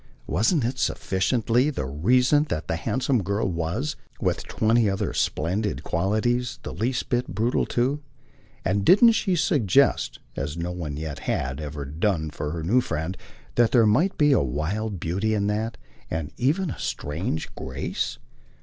Wasn't it sufficiently the reason that the handsome girl was, with twenty other splendid qualities, the least bit brutal too, and didn't she suggest, as no one yet had ever done for her new friend, that there might be a wild beauty in that, and even a strange grace?